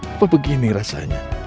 apa begini rasanya